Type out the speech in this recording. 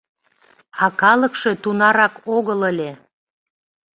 А калыкше тунарак огыл ыле.